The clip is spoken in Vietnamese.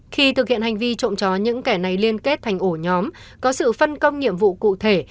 khi thực hiện hành vi trộm chó những kẻ này liên kết thành ổ nhóm có sự phân công nhiệm vụ cụ thể